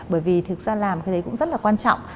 bởi vì thực ra làm cái đấy cũng rất là quan trọng